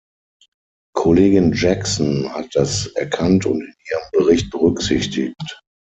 Kollegin Jackson hat das erkannt und in ihrem Bericht berücksichtigt.